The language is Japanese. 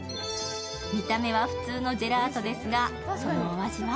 見た目は普通のジェラートですが、そのお味は？